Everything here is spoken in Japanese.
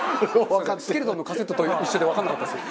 スケルトンのカセットと一緒でわかんなかったです。